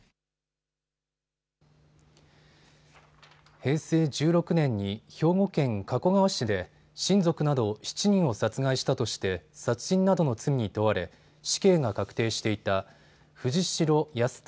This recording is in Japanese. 平成１６年に兵庫県加古川市で親族など７人を殺害したとして殺人などの罪に問われ死刑が確定していた藤城康孝